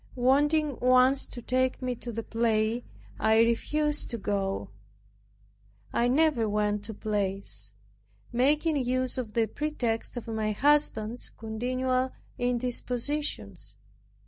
Wanting once to take me to the play, I refused to go; (I never went to plays) making use of the pretext of my husband's continual indispositions.